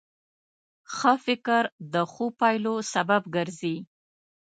ښه فکر د ښو پایلو سبب ګرځي.